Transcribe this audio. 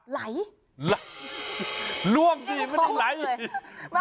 ไหล่หล่ะล่วงดีมันไม่ได้ไหล่เลย